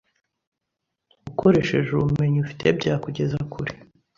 Ukoresheje ubumenyi ufite byakugeza kure